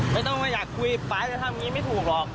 ไม่ต้องว่าอยากคุยป๊าจะทำอย่างนี้ไม่ถูกหรอก